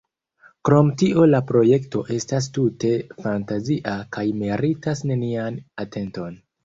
Krom tio la projekto estas tute fantazia kaj meritas nenian atenton.